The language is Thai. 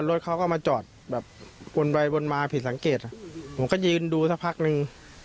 รถเขาก็มาจอดแบบวนไปวนมาผิดสังเกตผมก็ยืนดูสักพักนึง